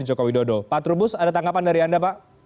joko widodo pak trubus ada tanggapan dari anda pak